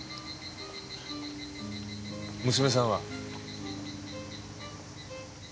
娘さんは？